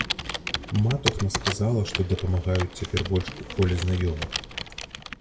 Матухна сказала, што дапамагаюць цяпер больш у коле знаёмых.